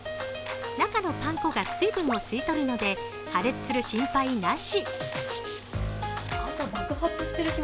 中のパン粉が水分を吸い取るので、破裂する心配なし。